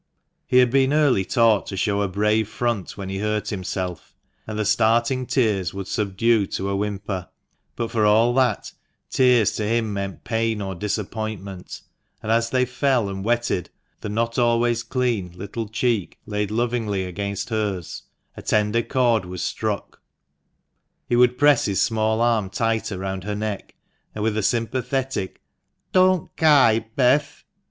He had been early taught to show a brave front when he hurt himself, and the starting tears would subdue to a whimper; but, for all that, tears to him meant pain or disappointment, and as they fell and wetted the (not always clean) little cheek laid lovingly against hers, a tender chord was struck ; he would press his small arm tighter round her neck, and with a sympathetic "Don't ky, Beth!"